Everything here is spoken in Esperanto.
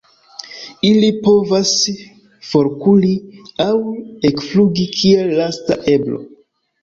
Ili povas forkuri aŭ ekflugi kiel lasta eblo.